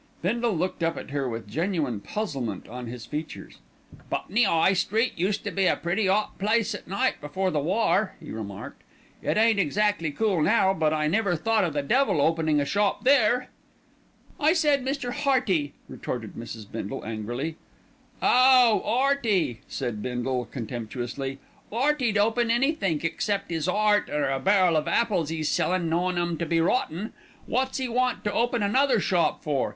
Bindle looked up at her with genuine puzzlement on his features. "Putney 'Igh Street used to be a pretty 'ot place at night before the war," he remarked; "it ain't exactly cool now; but I never thought o' the devil openin' a shop there." "I said Mr. Hearty," retorted Mrs. Bindle angrily. "Oh! 'Earty," said Bindle contemptuously. "'Earty'd open anythink except 'is 'eart, or a barrel of apples 'e's sellin', knowin' them to be rotten. Wot's 'e want to open another shop for?